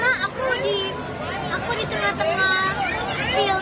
karena aku di tengah tengah field nya juga ada banyak orang yang menonton